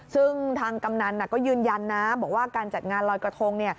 ซึ่งทางกำนันก็ยืนยันนะบอกว่าการจัดงานลอยกระทง